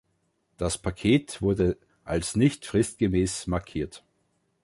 Das Paket wurde als nicht fristgemäß markiert.